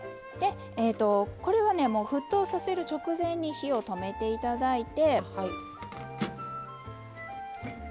これはねもう沸騰させる直前に火を止めて頂いて。